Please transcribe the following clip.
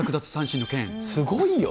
すごいよね。